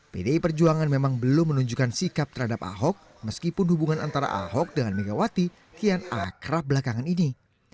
pdi perjuangan memang belum menunjukkan sikap terhadap ahok meskipun hubungan antara ahok dengan megawati kian akrab belakangan ini